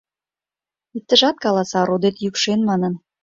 Иктыжат каласа — «родет йӱкшен» манын